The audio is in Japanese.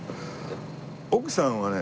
奥さんはね